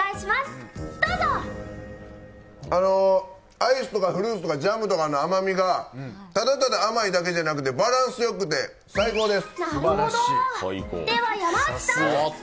アイスとかフルーツとかジャムとかの甘みがただただ甘いだけじゃなくてバランスよくて最高です！